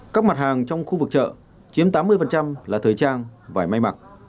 các mặt hàng trong khu vực chợ chiếm tám mươi là thời trang vải may mặc